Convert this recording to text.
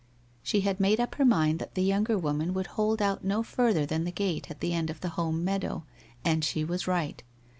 She had made up her mind that the younger woman would hold out no further than the gate at the end of the WHITE ROSE OF WEARY LEAF 201 home meadow, and she was right.